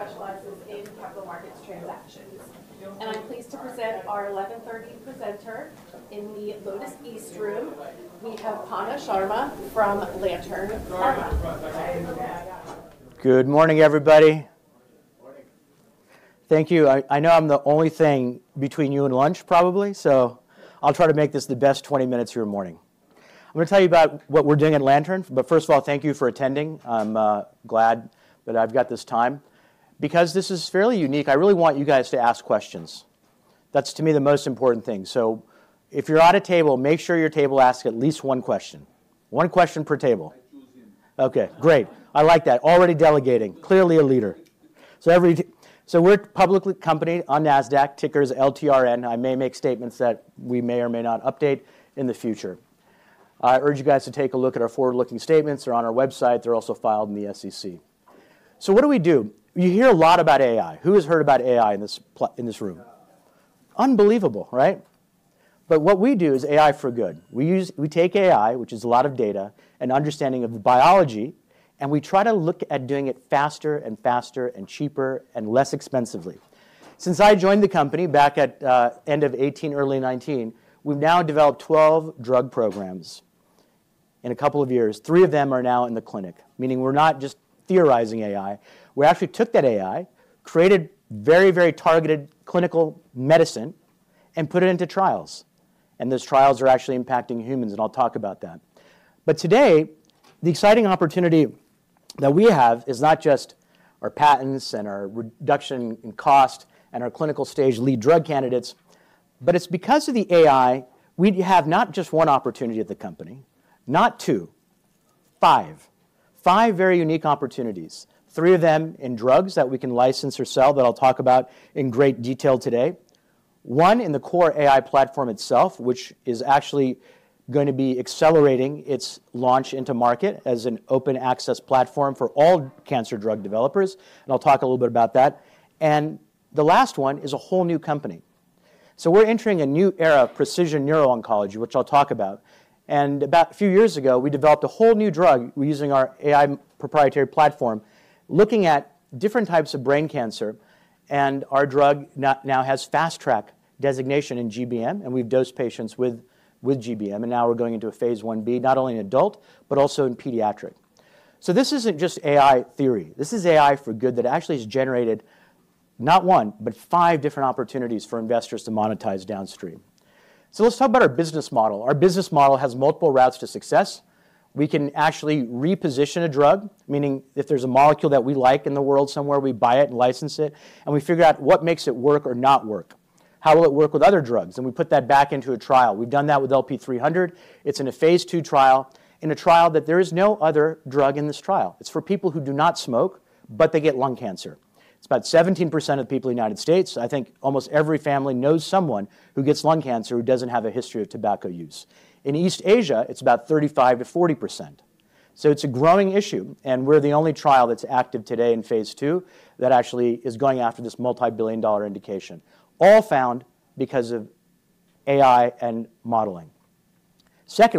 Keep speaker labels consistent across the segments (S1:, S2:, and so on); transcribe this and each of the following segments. S1: Specializes in capital markets transactions and I'm pleased to present our 11:30 A.M. presenter. In the Lotus East Room we have Panna Sharma from Lantern Pharma.
S2: Good morning everybody. Thank you. I know I'm the only thing between you and lunch probably, so I'll try to make this the best 20 minutes of your morning. I'm going to tell you about what we're doing at Lantern, but first of all, thank you for attending. I'm glad I've got this time because this is fairly unique. I really want you guys to ask questions. That's to me the most important thing. If you're at a table, make sure your table asks at least one question. One question per table. Okay, great. I like that already. Delegating, clearly a leader. We're a public company on NASDAQ, ticker is LTRN. I may make statements that we may or may not update in the future. I urge you guys to take a look at our forward-looking statements. They're on our website, they're also filed in the SEC. What do we do? You hear a lot about AI. Who has heard about AI in this room? Unbelievable, right? What we do is AI for good. We take AI, which is a lot of data and understanding of biology, and we try to look at doing it faster and faster and cheaper and less expensively. Since I joined the company back at end of 2018, early 2019, we've now developed 12 drug programs in a couple of years. Three of them are now in the clinic, meaning we're not just theorizing AI. We actually took that AI, created very, very targeted clinical medicine, and put it into trials. Those trials are actually impacting humans. I'll talk about that. Today the exciting opportunity that we have is not just our patents and our reduction in cost and our clinical stage lead drug candidates, but it's because of the AI. We have not just one opportunity at the company, not two, five, five very unique opportunities. Three of them in drugs that we can license or sell that I'll talk about in great detail today. One in the core AI platform itself, which is actually going to be accelerating its launch into market as an open access platform for all cancer drug developers. I'll talk a little bit about that. The last one is a whole new company. We're entering a new era of precision neuro-oncology, which I'll talk about. A few years ago we developed a whole new drug using our AI proprietary platform looking at different types of brain cancer. Our drug now has fast track designation in glioblastoma (GBM). We've dosed patients with glioblastoma (GBM) and now we're going into a phase I-B, not only in adult, but also in pediatric. This isn't just AI theory, this is AI for good that actually has generated not one, but five different opportunities for investors to monetize downstream. Let's talk about our business model. Our business model has multiple routes to success. We can actually reposition a drug, meaning if there's a molecule that we like in the world somewhere, we buy it and license it and we figure out what makes it work or not work, how will it work with other drugs, and we put that back into a trial. We've done that with LP-300. It's in a phase II trial and in a trial that there is no other drug in this trial. It's for people who do not smoke, but they get lung cancer. It's about 17% of people in the United States. I think almost every family knows someone who gets lung cancer who doesn't have a history of tobacco use. In East Asia, it's about 35%-40%. It's a growing issue. We're the only trial that's active today in phase II that actually is going after this multibillion dollar indication, all found because of AI and modeling.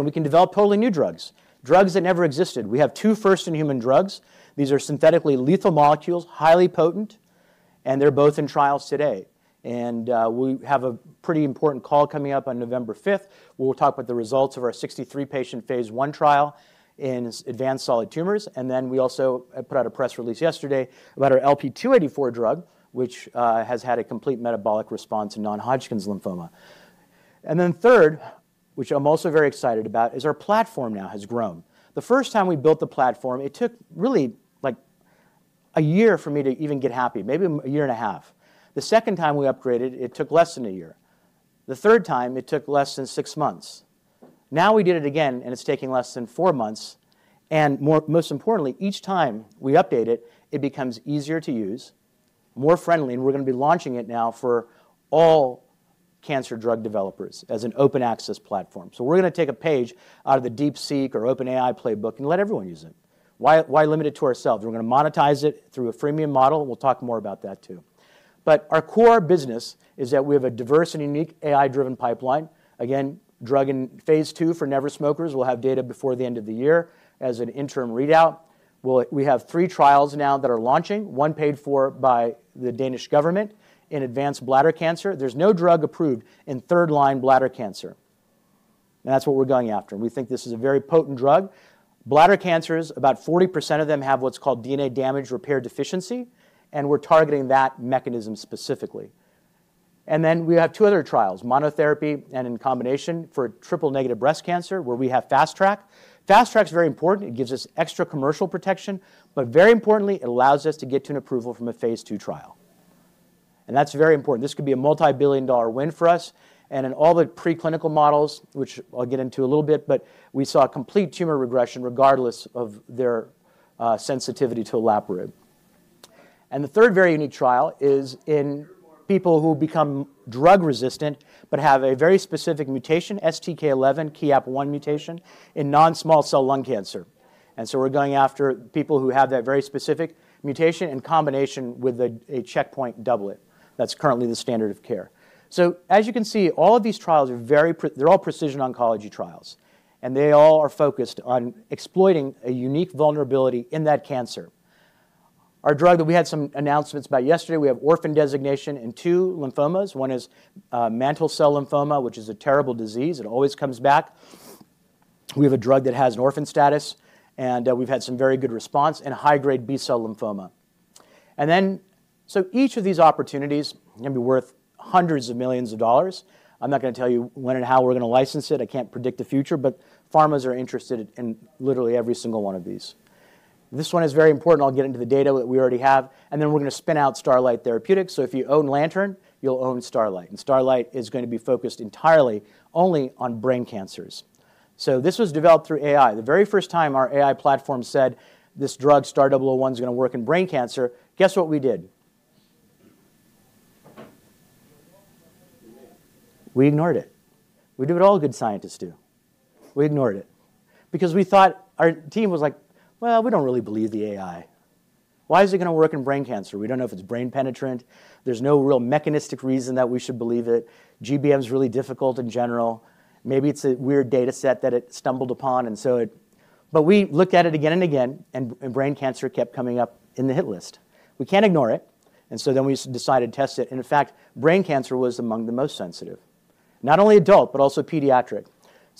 S2: We can develop totally new drugs, drugs that never existed. We have two first-in-human drugs. These are synthetically lethal molecules, highly potent, and they're both in trials today. We have a pretty important call coming up on November 5th. We'll talk about the results of our 63-patient phase I trial in advanced solid tumors. We also put out a press release yesterday about our LP-284 drug, which has had a complete metabolic response in non-Hodgkin’s lymphoma. Third, which I'm also very excited about, is our platform now has grown. The first time we built the platform, it took really like a year for me to even get happy, maybe a year and a half. The second time we upgraded, it took less than a year. The third time it took less than six months. Now we did it again and it's taking less than four months. Most importantly, each time we update it, it becomes easier to use, more friendly. We're going to be launching it now for all cancer drug developers as an open access platform. We're going to take a page out of the Deep SEQ or OpenAI playbook and let everyone use it. Why limit it to ourselves? We're going to monetize it through a freemium model. We'll talk more about that too. Our core business is that we have a diverse and unique AI-driven pipeline. Again, drug in phase II for never smokers will have data before the end of the year. As an interim readout, we have three trials now that are launching, one paid for by the Danish government in advanced bladder cancer. There's no drug approved in third line bladder cancer, and that's what we're going after. We think this is a very potent drug. Bladder cancers, about 40% of them have what's called DNA damage repair deficiency, and we're targeting that mechanism specifically. We have two other trials, monotherapy and in combination for triple negative breast cancer, where we have fast track. Fast track is very important. It gives us extra commercial protection, but very importantly it allows us to get to an approval from a phase II trial. That is very important. This could be a multi billion dollar win for us. In all the preclinical models, which I'll get into a little bit, we saw complete tumor regression regardless of their sensitivity to olaparib. The third very unique trial is in people who become drug resistant but have a very specific mutation, STK11 KIAP1 mutation in non-small cell lung cancer. We are going after people who have that very specific mutation in combination with a checkpoint doublet that's currently the standard of care. As you can see, all of these trials are very, they're all precision oncology trials and they all are focused on exploiting a unique vulnerability in that cancer. Our drug that we had some announcements about yesterday, we have orphan designation in two lymphomas. One is mantle cell lymphoma, which is a terrible disease, it always comes back. We have a drug that has an orphan status and we've had some very good response in high grade B cell lymphoma. Each of these opportunities can be worth hundreds of millions of dollars. I'm not going to tell you when and how we're going to license it. I can't predict the future, but pharmas are interested in literally every single one of these. This one is very important. I'll get into the data that we already have, and then we're going to spin out Starlight Therapeutics. If you own Lantern, you'll own Starlight. Starlight is going to be focused entirely on only on brain cancers. This was developed through AI. The very first time our AI platform said this drug star 001 is going to work in brain cancer, guess what we did? We ignored it. We do what all good scientists do. We ignored it because we thought our team was like, well, we don't really believe the AI. Why is it going to work in brain cancer? We don't know if it's brain penetrant. There's no real mechanistic reason that we should believe it. GBM's really difficult in general. Maybe it's a weird data set that it stumbled upon. We looked at it again and again and brain cancer kept coming up in the hit list. We can't ignore it. We decided to test it. In fact, brain cancer was among the most sensitive. Not only adult, but also pediatric.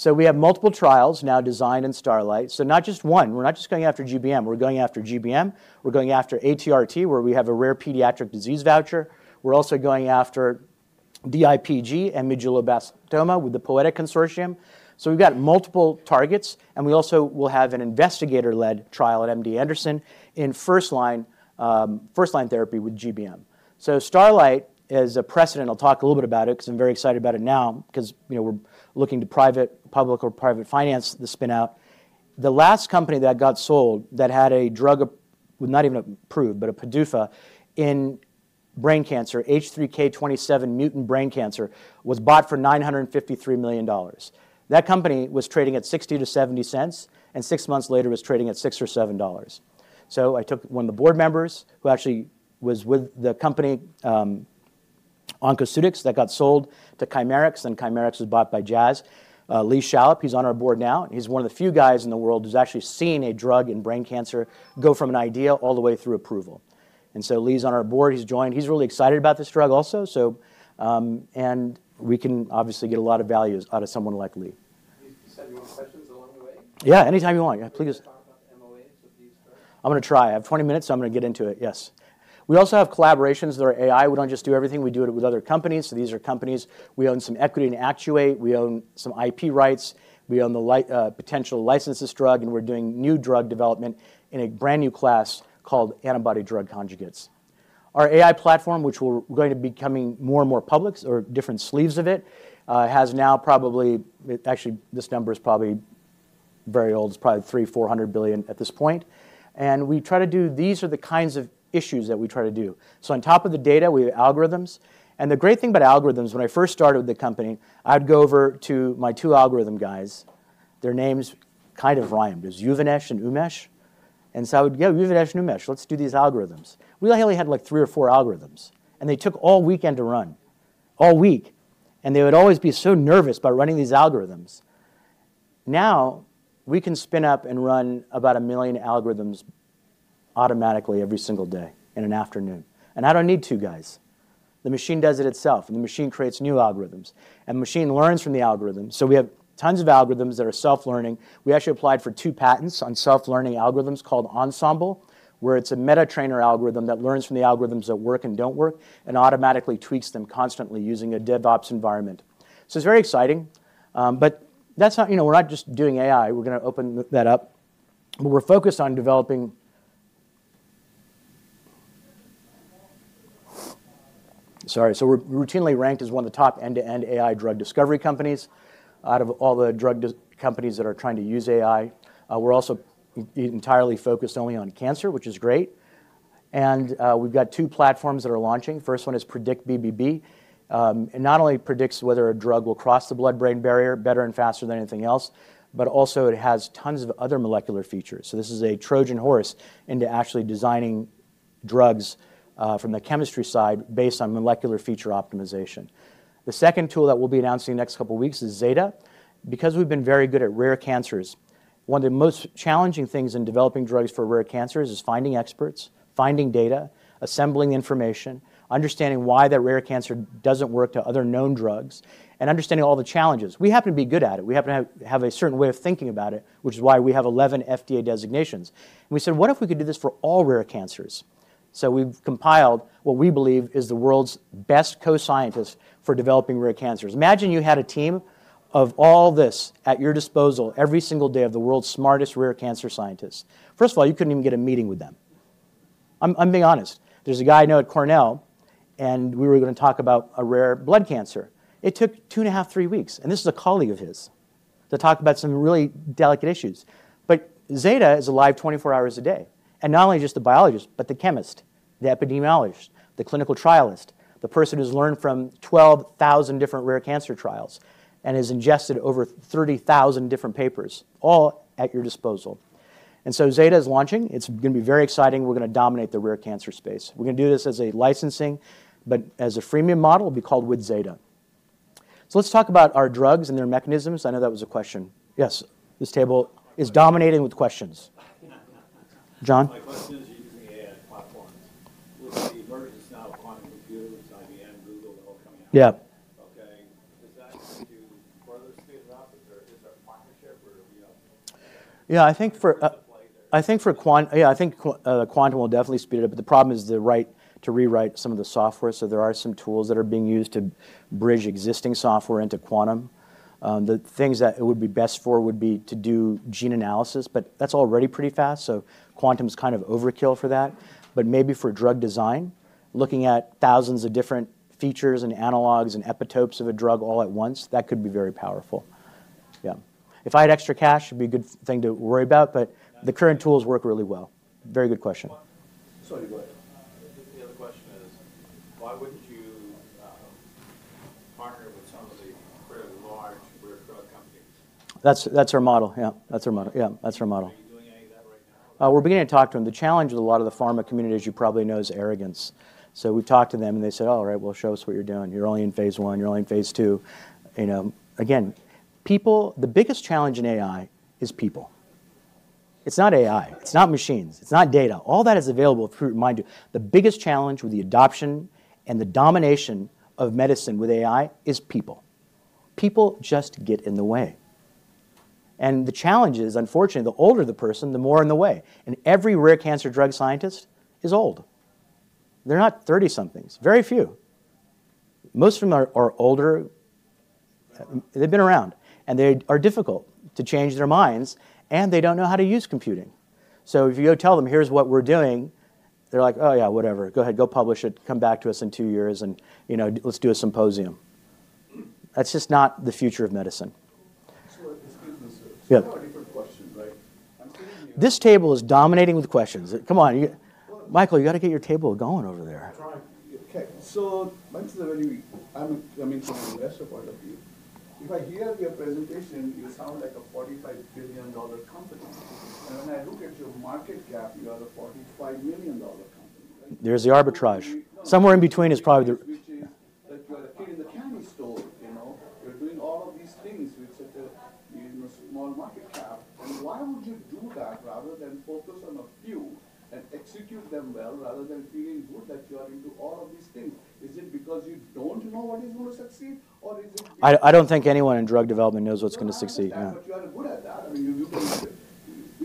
S2: We have multiple trials now designed in Starlight. Not just one. We're not just going after GBM, we're going after GBM, we're going after ATRT where we have a rare pediatric disease voucher. We're also going after DIPG and medulloblastoma with the Poetic Consortium. We've got multiple targets. We also will have an investigator led trial at MD Anderson in first line therapy with GBM. Starlight is a precedent. I'll talk a little bit about it because I'm very excited about it now because we're looking to private, public or private finance. The spin out. The last company that got sold that had a drug not even approved, but a PDUFA in brain cancer, H3K27 mutant brain cancer, was bought for $953 million. That company was trading at $0.60-$0.70 and six months later was trading at $6 or $7. I took one of the board members who actually was with the company Oncoceutics that got sold to Chimerix and Chimerix was bought by Jazz. Lee Shallop, he's on our board now. He's one of the few guys in the world who's actually seen a drug in brain cancer go from an idea all the way through approval. Lee's on our Board. He's joined, he's really excited about this drug also. We can obviously get a lot of values out of someone like Lee. Yeah, anytime you want, please. I'm going to try. I have 20 minutes. I'm going to get into it. Yes, we also have collaborations that are AI. We don't just do everything, we do it with other companies. These are companies we own some equity in, actuate. We own some IP rights, we own the potential license. This drug and we're doing new drug development in a brand new class called antibody-drug conjugates. Our AI platform, which we're going to becoming more and more public or different sleeves of it, has now probably, actually this number is probably very old. It's probably 3,400 billion at this point. We try to do. These are the kinds of issues that we try to do. On top of the data, we have algorithms. The great thing about algorithms, when I first started with the company, I'd go over to my two algorithm guys, their names kind of rhymed. It was Yuvinesh and Umesh. I would go, Yuvinesh and Umesh, let's do these algorithms. We only had like three or four algorithms and they took all weekend to run, all week. They would always be so nervous about running these algorithms. Now we can spin up and run about a million algorithms automatically every single day in an afternoon. I don't need two guys. The machine does it itself and the machine creates new algorithms and the machine learns from the algorithm. We have tons of algorithms that are self-learning. We actually applied for two patents on self-learning algorithms called Ensemble, where it's a meta trainer algorithm that learns from the algorithms that work and don't work and automatically tweaks them constantly using a DevOps environment. It's very exciting. We're not just doing AI, we're going to open that up, but we're focused on developing. We're routinely ranked as one of the top end-to-end AI drug discovery companies. Out of all the drug companies that are trying to use AI, we're also entirely focused only on cancer, which is great. We've got two platforms that are launching. The first one is Predict BBB. It not only predicts whether a drug will cross the blood-brain barrier better and faster than anything else, but also it has tons of other molecular features. This is a Trojan horse into actually designing drugs from the chemistry side based on molecular feature optimization. The second tool that we'll be announcing in the next couple weeks is Zeta. Because we've been very good at rare cancers, one of the most challenging things in developing drugs for rare cancers is finding experts, finding data, assembling information, understanding why that rare cancer doesn't work to other known drugs, and understanding all the challenges. We happen to be good at it, we happen to have a certain way of thinking about it, which is why we have 11 FDA designations. We said, what if we could do this for all rare cancers. We've compiled what we believe is the world's best co-scientists for developing rare cancers. Imagine you had a team of all this at your disposal every single day of the world's smartest rare cancer scientists. First of all, you couldn't even get a meeting with them. I'm being honest. There's a guy I know at Cornell and we were going to talk about a rare blood cancer. It took two, two and a half, three weeks. This is a colleague of his to talk about some really delicate issues. Zeta is alive 24 hours a day. Not only just the biologist, but the chemist, the epidemiologist, the clinical trialist, the person who's learned from 12,000 different rare cancer trials and has ingested over 30,000 different papers, all at your disposal. Zeta is launching. It's going to be very exciting. We're going to dominate the rare cancer space. We're going to do this as a licensing, but as a freemium model. It'll be called with Zeta. Let's talk about our drugs and their mechanisms. I know that was a question. Yes. This table is dominating with questions. John. My question is using the AI platforms. With the emergence now of quantum computers, IBM, Google coming out. Yep. Okay. Does that. Partnership or. I think for Quantum, Quantum will definitely speed it up, but the problem is the need to rewrite some of the software. There are some tools that are being used to bridge existing software into Quantum. The things that it would be best for would be to do gene analysis, but that's already pretty fast. Quantum is kind of overkill for that. Maybe for drug design, looking at thousands of different features and analogs and epitopes of a drug all at once, that could be very powerful. If I had extra cash, it would be a good thing to worry about, but the current tools work really well. Very good question. Sorry, go ahead. The other question is, why wouldn't you partner with some of the fairly large drug companies? That's our model. That's our model. That's our model. Are you doing any of that right now? We're beginning to talk to them. The challenge with a lot of the pharma community, as you probably know, is arrogance. We talked to them and they said, all right, show us what you're doing. You're only in phase I. You're only in phase II. The biggest challenge in AI is people. It's not AI, it's not machines, it's not data. All that is available. Mind you, the biggest challenge with the adoption and the domination of medicine with AI is people. People just get in the way. The challenge is, unfortunately, the older the person, the more in the way. Every rare cancer drug scientist is old. They're not 30 somethings, very few. Most of them are older, they've been around and they are difficult to change their minds and they don't know how to use computing. If you go tell them here's what we're doing, they're like, oh yeah, whatever, go ahead, go publish it. Come back to us in two years and let's do a symposium. That's just not the future of medicine. I have a different question. This table is dominating with questions. Come on, Michael, you got to get your table going over there. Okay, I'm coming from an investor point of view. If I hear your presentation, you sound like a $45 billion company. When I look at your market cap, you are a $45 million company. There's the arbitrage. Somewhere in between is probably which is. That you are a kid in the candy store. You know, you're doing all of these things using a small market cap. Why would you do that? Rather than focus on a few and execute them well, rather than feeling good that you are into all of these things, is it because you don't know what is going to succeed or is. I don't think anyone in drug development knows what's going to succeed. You are good at that.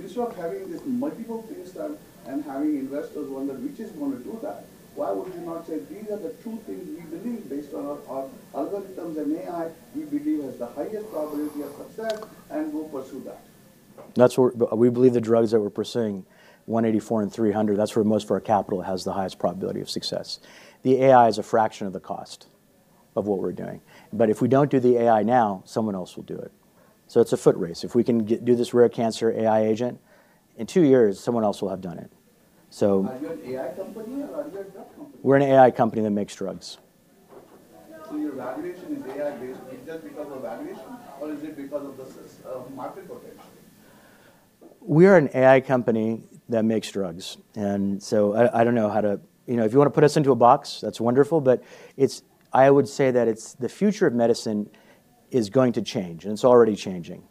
S2: Instead of having these multiple things done and having investors wonder which is going to do that, why would you not say these are the two things we believe based on our algorithms and AI we believe has the highest probability of success, and we'll pursue that. That's where we believe the drugs that we're pursuing, LP-184 and LP-300, that's where most of our capital has the highest probability of success. The AI is a fraction of the cost of what we're doing. If we don't do the AI now, someone else will do it. It's a foot race. If we can get do this rare cancer AI agent in two years, someone else will have done it. We're an AI company that makes drugs. Is your valuation AI based, is that because of valuation or is it because of the market potential? We are an AI company that makes drugs. I don't know how to, you know, if you want to put us into a box, that's wonderful. I would say that the future of medicine is going to change. It's already changing.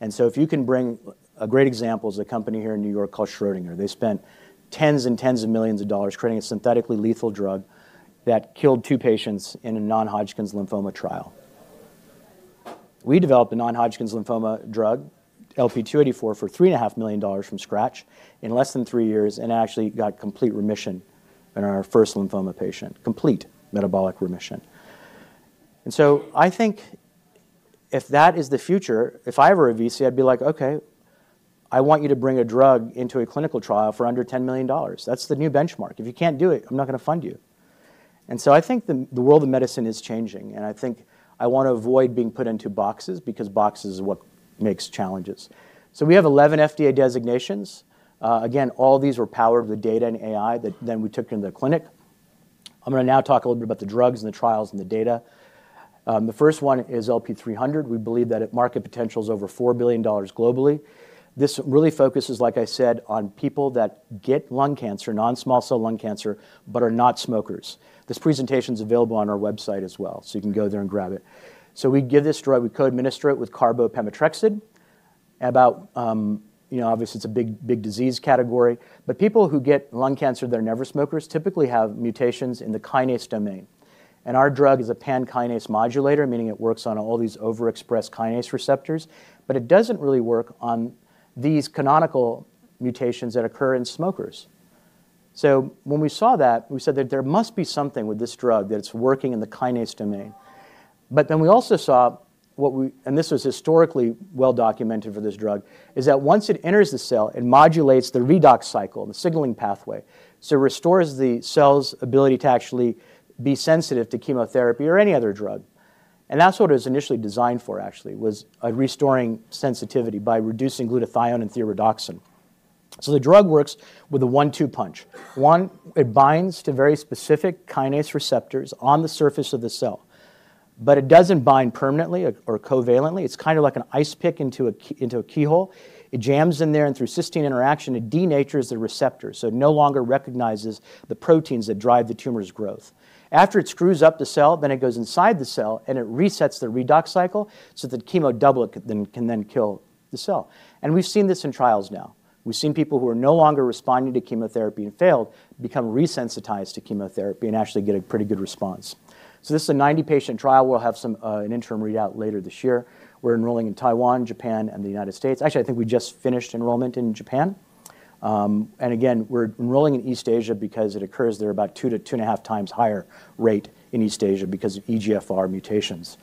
S2: If you can bring a great example, a company here in New York called Schrodinger spent tens and tens of millions of dollars creating a synthetically lethal drug that killed two patients in a non-Hodgkin’s lymphoma trial. We developed a non-Hodgkin’s lymphoma drug, LP-284, for $3.5 million from scratch in less than three years and actually got complete remission in our first lymphoma patient, complete metabolic remission. I think if that is the future, if I were a VC, I'd be like, okay, I want you to bring a drug into a clinical trial for under $10 million. That's the new benchmark. If you can't do it, I'm not going to fund you. I think the world of medicine is changing and I want to avoid being put into boxes because boxes are what make challenges. We have 11 FDA designations. All these were powered with the data and AI that we then took in the clinic. I'm going to now talk a little bit about the drugs and the trials and the data. The first one is LP-300. We believe that market potential is over $4 billion globally. This really focuses, like I said, on people that get lung cancer, non-small cell lung cancer, but are not smokers. This presentation is available on our website as well. You can go there and grab it. We give this drug, we co-administer it with carbopemitrexate. Obviously, it's a big, big disease category, but people who get lung cancer, they're never smokers, typically have mutations in the kinase domain. Our drug is a pan-kinase modulator, meaning it works on all these overexpressed kinase receptors, but it doesn't really work on these canonical mutations that occur in smokers. When we saw that, we said that there must be something with this drug that's working in the kinase domain. We also saw what we, and this was historically well documented for this drug, is that once it enters the cell, it modulates the redox cycle, the signaling pathway, so it restores the cell's ability to actually be sensitive to chemotherapy or any other drug. That's what it was initially designed for, actually was restoring sensitivity by reducing glutathione and thioredoxin. The drug works with a 1, 2, punch 1. It binds to very specific kinase receptors on the surface of the cell, but it doesn't bind permanently or covalently. It's kind of like an ice pick into a keyhole. It jams in there, and through cysteine interaction, it denatures the receptor so it no longer recognizes the proteins that drive the tumor's growth. After it screws up the cell, it goes inside the cell and it resets the redox cycle. The chemo double can then kill the cell. We've seen this in trials now. We've seen people who are no longer responding to chemotherapy and failed become resensitized to chemotherapy and actually get a pretty good response. This is a 90 patient trial. We'll have some interim readout later this year. We're enrolling in Taiwan, Japan, and the United States. I think we just finished enrollment in Japan, and again we're enrolling in East Asia because it occurs there at about two to two and a half times higher rate in East Asia because of EGFR mutations.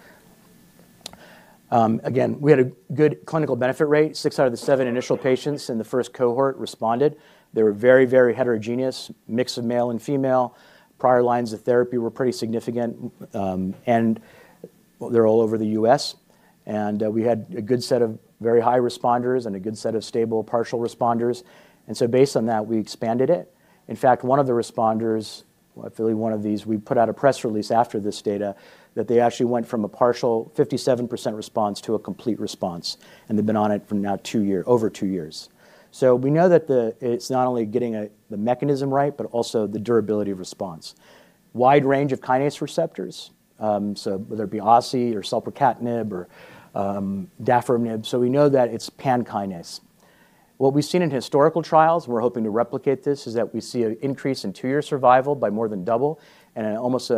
S2: We had a good clinical benefit rate. Six out of the seven initial patients in the first cohort responded. They were a very, very heterogeneous mix of male and female. Prior lines of therapy were pretty significant, and they're all over the U.S., and we had a good set of very high responders and a good set of stable partial responders. Based on that, we expand. In fact, one of the responders, we put out a press release after this data that they actually went from a partial 57% response to a complete response. They've been on it for now over two years. We know that it's not only getting the mechanism right, but also the durability of response, wide range of kinase receptors. Whether it be OSI or Selpercatinib or dabrafenib. We know that what we've seen in historical trials we're hoping to replicate. This is that we see an increase in two year survival by more than double and almost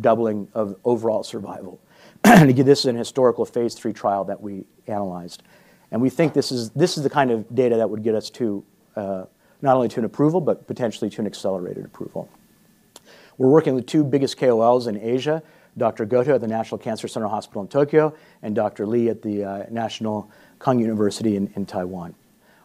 S2: doubling of overall survival. This is a historical phase III trial that we analyzed. We think this is the kind of data that would get us to not only to an approval, but potentially to an accelerated approval. We're working with two biggest KOLs in Asia, Dr. Goto at the National Cancer Center Hospital in Tokyo and Dr. Lee at the National Kung University in Taiwan.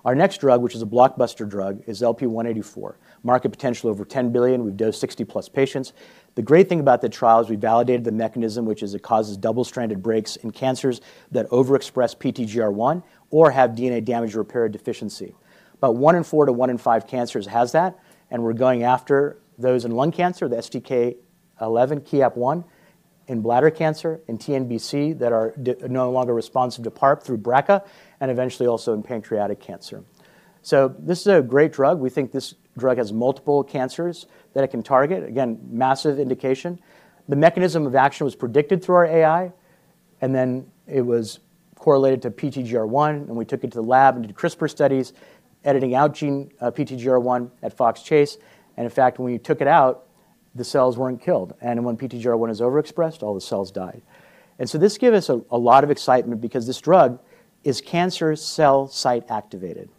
S2: Our next drug, which is a blockbuster drug, is LP-184. Market potential, over $10 billion. We've dosed 60+ patients. The great thing about the trial is we validated the mechanism, which is it causes double-stranded breaks in cancers that overexpress PTGR1 or have DNA damage repair deficiency. 1 in 4 to 1 in 5 cancers has that. We're going after those in lung cancer, the STK11 KEAP1, in bladder cancer, in TNBC that are no longer responsive to PARP through BRCA, and eventually also in pancreatic cancer. This is a great drug. We think this drug has multiple cancers that it can target. Massive indication, the mechanism of action was predicted through our AI and then it was correlated to PTGR1. We took it to the lab and did CRISPR studies editing out gene PTGR1 at Fox Chase. In fact, when you took it out, the cells weren't killed. When PTGR1 is overexpressed, all the cells died. This gave us a lot of excitement because this drug is cancer cell site activated.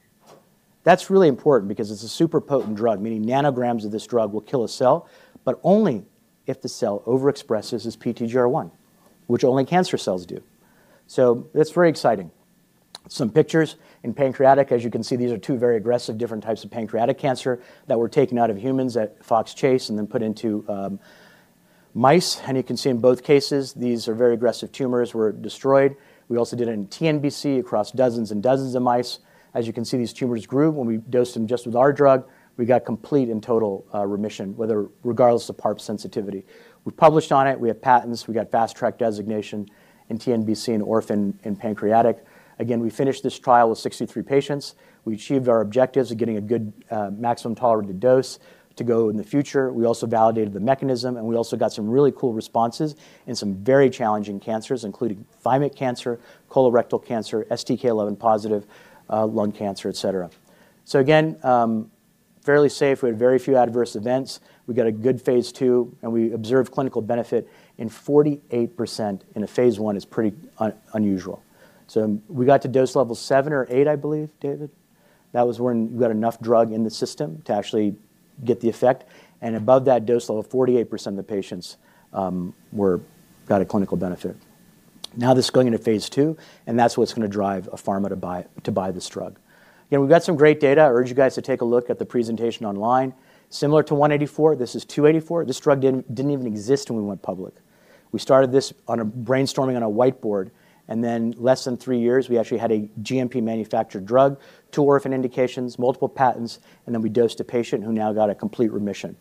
S2: That's really important because it's a super potent drug, meaning nanograms of this drug will kill a cell, but only if the cell overexpresses its PTGR1, which only cancer cells do. That's very exciting. Some pictures, and in pancreatic, as you can see, these are two very aggressive different types of pancreatic cancer that were taken out of humans at Fox Chase and then put into mice. You can see in both cases these very aggressive tumors were destroyed. We also did it in TNBC across dozens and dozens of mice. As you can see, these tumors grew. When we dosed them just with our drug, we got complete and total remission regardless of PARP sensitivity. We published on it, we have patents, we got fast track designation in TNBC and orphan in pancreatic again. We finished this trial with 63 patients. We achieved our objectives of getting a good maximum tolerant dose to go in the future. We also validated the mechanism and we also got some really cool responses in some very challenging cancers, including thymic cancer, colorectal cancer, STK11 positive lung cancer, et cetera. Fairly safe. We had very few adverse events. We got a good phase II and we observed clinical benefit. 48% in a phase I is pretty unusual. We got to dose level seven or eight. I believe, David, that was when you got enough drug in the system to actually get the effect. Above that dose level, 48% of the patients got a clinical benefit. Now this is going into phase II and that's what's going to drive a pharma to buy this drug. We've got some great data. I urge you guys to take a look at the presentation online. Similar to 184, this is 284. This drug didn't even exist when we went public. We started this brainstorming on a whiteboard, and then in less than three years, we actually had a GMP manufactured drug, two orphan indications, multiple patents, and then we dosed a patient who now got a complete remission.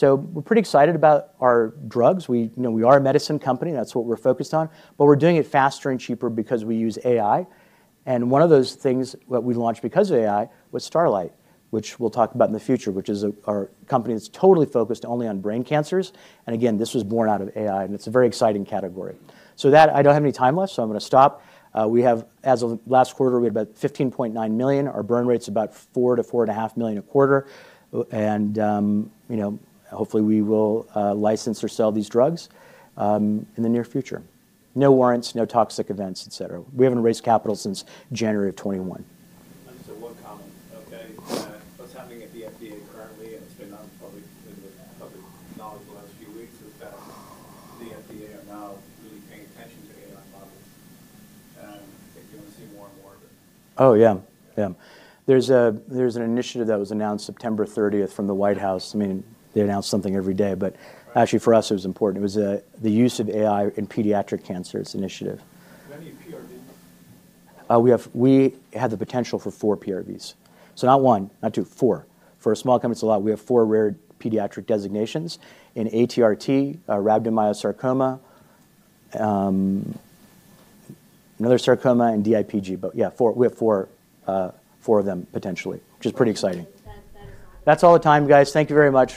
S2: We're pretty excited about our drugs. We know we are a medicine company. That's what we're focused on. We're doing it faster and cheaper because we use AI. One of those things we launched because of AI was Starlight, which we'll talk about in the future, which is our company that's totally focused only on brain cancers. This was born out of AI and it's a very exciting category. I don't have any time left, so I'm going to stop. As of last quarter, we had about $15.9 million. Our burn rate's about $4 million-$4.5 million a quarter, and hopefully we will license or sell these drugs in the near future. No warrants, no toxic events. We haven't raised capital since January of 2021. Okay, what's happening at the FDA currently, and it's been on public knowledge the last few weeks, is that the FDA are now really paying attention to AI models. Oh, yeah, yeah. There's an initiative that was announced September 30 from the White House. I mean, they announce something every day, but actually, for us, it was important. It was the use of AI in pediatric cancers initiative. We have the potential for four PRVs. So not one, not two, four. For a small company, it's a lot. We have four rare pediatric designations in ATRT, rhabdomyosarcoma, another sarcoma, and DIPG. Yeah, we have four of them, potentially, which is pretty exciting. That's all the time, guys. Thank you very much.